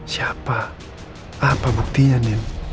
siapa apa buktinya din